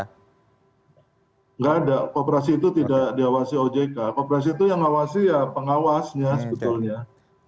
nggak ada koperasi itu tidak diawasi ojk koperasi itu yang ngawasi ya pengawasnya sebetulnya